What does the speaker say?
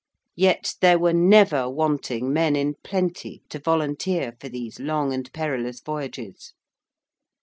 Yet there were never wanting men in plenty to volunteer for these long and perilous voyages.